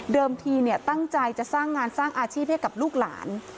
ทีตั้งใจจะสร้างงานสร้างอาชีพให้กับลูกหลาน